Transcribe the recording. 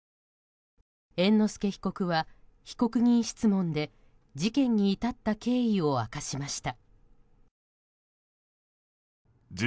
猿之助被告は被告人質問で事件に至った経緯を明かしました。